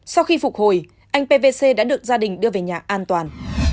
sau khi phục hồi anh pvc đã được gia đình đưa về nhà an toàn